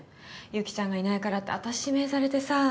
雪ちゃんがいないからって私指名されてさ。